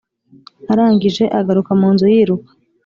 arangije agaruka munzu yiruka